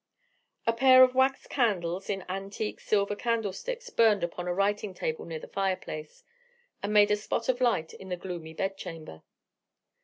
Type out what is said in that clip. A pair of wax candles, in antique silver candlesticks, burned upon a writing table near the fireplace, and made a spot of light in the gloomy bed chamber.